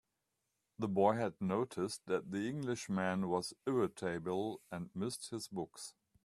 The boy had noticed that the Englishman was irritable, and missed his books.